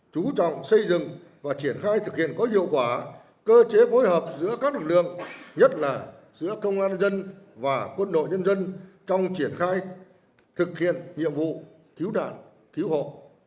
chú trọng xây dựng và triển khai thực hiện có hiệu quả cơ chế phối hợp giữa các lực lượng nhất là giữa công an dân và quân đội nhân dân trong triển khai thực hiện nhiệm vụ cứu nạn cứu hộ